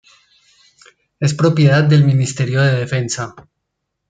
Es propiedad del Ministerio de Defensa.